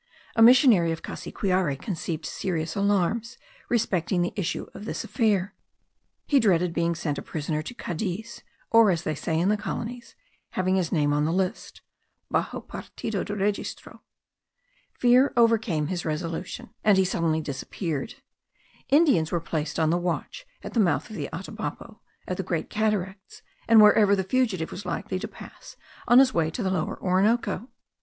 A missionary of the Cassiquiare conceived serious alarms respecting the issue of this affair; he dreaded being sent a prisoner to Cadiz, or, as they say in the colonies, having his name on the list (baxo partido de registro). Fear overcame his resolution, and he suddenly disappeared. Indians were placed on the watch at the mouth of the Atabapo, at the Great Cataracts, and wherever the fugitive was likely to pass on his way to the Lower Orinoco.